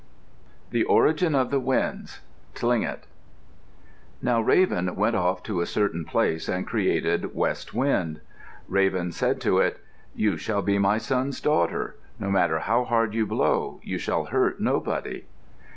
THE ORIGIN OF THE WINDS Tlingit Now Raven went off to a certain place and created West Wind. Raven said to it, "You shall be my son's daughter. No matter how hard you blow, you shall hurt nobody."